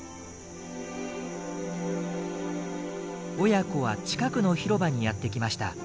親子は近くの広場にやってきました。